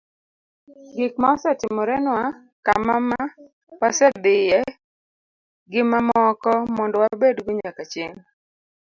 gik ma osetimorenwa, kama ma wasedhiye, gi mamoko, mondo wabedgo nyaka chieng'